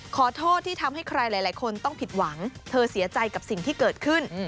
ขอโทษที่ทำให้ใครหลายคนต้องผิดหวังเธอเสียใจกับสิ่งที่เกิดขึ้น